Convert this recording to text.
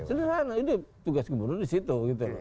sederhana itu tugas gubernur di situ